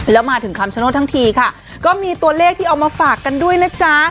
แล้วมาถึงคำชโนธทั้งทีค่ะก็มีตัวเลขที่เอามาฝากกันด้วยนะจ๊ะ